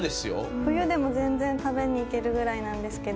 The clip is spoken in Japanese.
冬でも全然食べに行けるぐらいなんですけど。